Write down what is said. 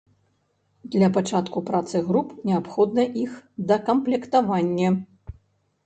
Для пачатку працы груп неабходна іх дакамплектаванне.